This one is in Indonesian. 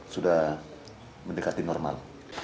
sudah mendekati normal